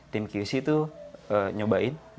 tim qc tuh nyobain